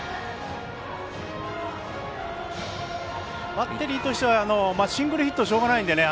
バッテリーとしてはシングルヒットはしょうがないんでね。